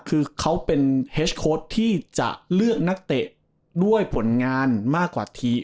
คือเขาเป็นเฮสโค้ดที่จะเลือกนักเตะด้วยผลงานมากกว่าทีม